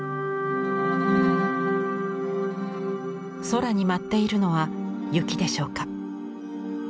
空に舞っているのは雪でしょうか？